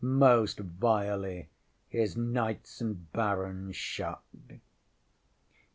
Most vilely his knights and barons shot!